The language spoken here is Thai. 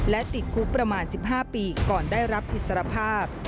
และติดคุกประมาณ๑๕ปีก่อนได้รับอิสรภาพ